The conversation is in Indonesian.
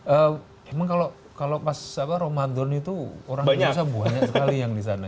emang kalau pas ramadan itu orang indonesia banyak sekali yang di sana